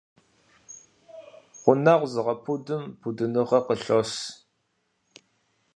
Гъунэгъу зыгъэпудым пудыныгъэ къылъос.